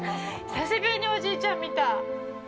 久しぶりにおじいちゃん見た。